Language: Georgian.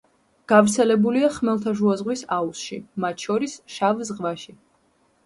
გავრცელებულია ხმელთაშუა ზღვის აუზში, მათ შორის შავ ზღვაში.